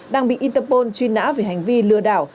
đang bị interpol truy nã về hành vi lừa đảo